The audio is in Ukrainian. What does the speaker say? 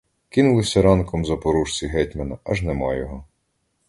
Кинулися ранком запорожці гетьмана, аж нема його.